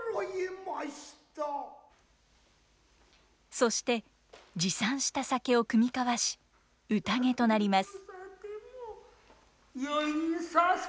そして持参した酒を酌み交わし宴となります。